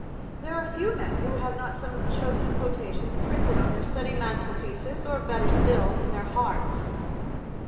There are few men who have not some chosen quotations printed on their study mantelpieces, or, better still, in their hearts.